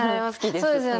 そうですよね。